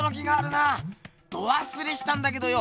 どわすれしたんだけどよ